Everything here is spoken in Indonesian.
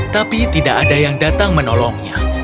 tapi tidak ada yang datang menolongnya